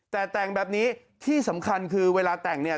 แต่แต่งแบบนี้ที่สำคัญคือเวลาแต่งเนี่ย